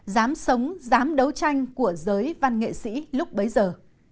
dám sống dám đấu tranh của giới văn nghệ sĩ lúc bấy giờ